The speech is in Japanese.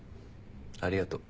ありがとう。